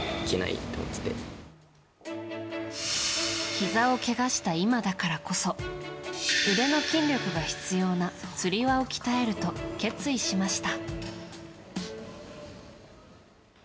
ひざをけがした今だからこそ腕の筋力が必要なつり輪を鍛えると決意しました。